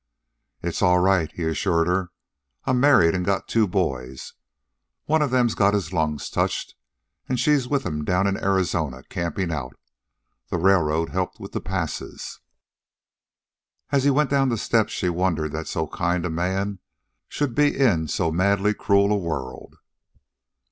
"It's all right," he assured her. "I'm married, and got two boys. One of them's got his lungs touched, and she's with 'em down in Arizona campin' out. The railroad helped with passes." And as he went down the steps she wondered that so kind a man should be in so madly cruel a world.